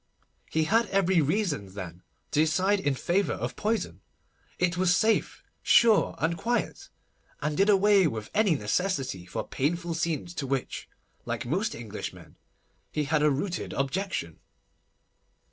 He had every reason, then, to decide in favour of poison. It was safe, sure, and quiet, and did away with any necessity for painful scenes, to which, like most Englishmen, he had a rooted objection.